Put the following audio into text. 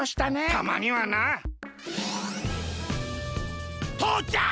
たまにはな。とうちゃく！